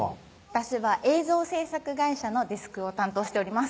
私は映像制作会社のデスクを担当しております